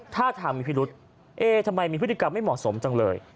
ท่าทางมีพิรุษเอ๊ทำไมมีพฤติกรรมไม่เหมาะสมจังเลย